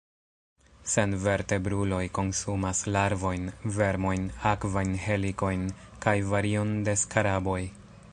Senvertebruloj konsumas larvojn, vermojn, akvajn helikojn, kaj varion de skaraboj.